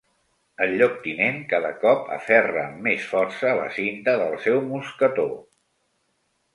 El lloctinent cada cop aferra amb més força la cinta del seu mosquetó.